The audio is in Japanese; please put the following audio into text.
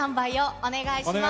お願いします。